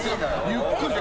ゆっくりで。